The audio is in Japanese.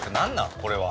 これは。